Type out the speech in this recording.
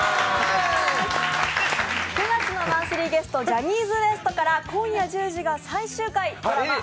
９月のマンスリーゲスト、ジャニーズＷＥＳＴから今夜１０時が最終回、ドラマ「＃